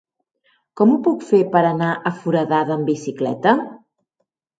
Com ho puc fer per anar a Foradada amb bicicleta?